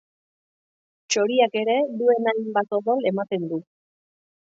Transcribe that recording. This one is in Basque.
Txoriak ere duen hainbat odol ematen du.